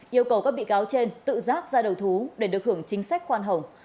yêu cầu các bị cáo trên tự giác ra đầu thú để được hưởng chính sách khoan hồng